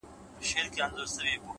سیاه پوسي ده، خاوري مي ژوند سه،